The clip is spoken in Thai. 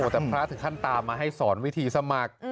แต่พระถึงขั้นตามมาให้สอนวิธีสมัคร